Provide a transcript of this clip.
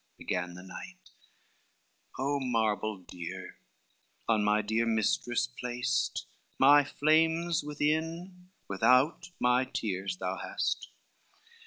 began the knight, "O marble dear on my dear mistress placed! My flames within, without my tears thou hast.